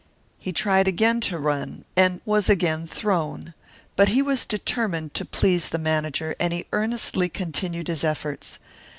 He tried again to run; was again thrown. But he was determined to please the manager, and he earnestly continued his efforts.